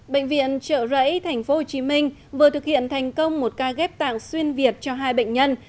bệnh viện trợ rẫy tp hcm vừa thực hiện thành công một ca ghép tạng xuyên việt cho hai bệnh nhân